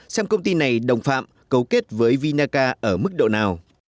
xem công ty này đồng phạm cấu kết với vinaca ở mức độ nào